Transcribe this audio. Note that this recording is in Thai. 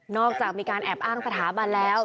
อกจากมีการแอบอ้างสถาบันแล้ว